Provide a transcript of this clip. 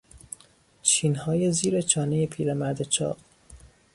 چینهای زیرچانهی پیرمرد چاق